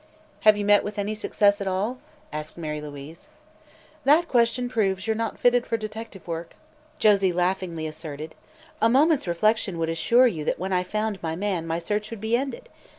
"Have you met with any success, at all?" asked Mary Louise. "That question proves you're not fitted for detective work," Josie laughingly asserted. "A moment's reflection would assure you that when I found my man my search would be ended.